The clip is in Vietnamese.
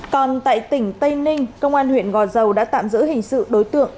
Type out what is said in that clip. còn tại tỉnh tây ninh công an huyện gò dầu đã tạm giữ hình sự đối tượng